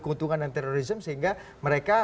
keuntungan dan terorisme sehingga mereka